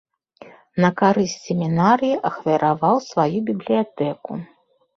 На карысць семінарыі ахвяраваў сваю бібліятэку.